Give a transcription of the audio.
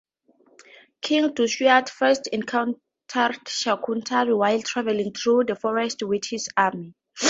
King Dushyanta first encountered Shakuntala while travelling through the forest with his army.